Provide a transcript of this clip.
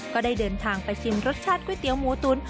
ก็ได้เดินทางไปชิมรสชาติก๋วยเตี๋ยวหมูตุ๋น